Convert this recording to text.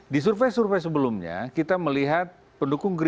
di survei survei sebelumnya kita melihat bahwa pks ini tidak bisa berpengaruh dengan pks ini